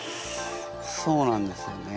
そうなんですよね